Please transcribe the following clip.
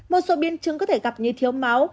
một số biến chứng có thể gặp như thiếu máu